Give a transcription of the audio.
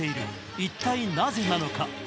一体なぜなのか？